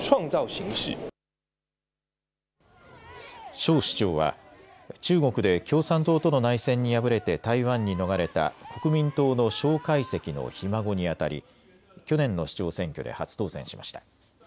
蒋市長は中国で共産党との内戦に敗れて台湾に逃れた国民党の蒋介石のひ孫にあたり去年の市長選挙で初当選しました。